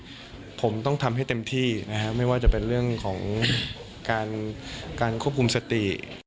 ผมต้องทำให้เต็มที่นะครับไม่ว่าจะเป็นเรื่องของการควบคุมสติ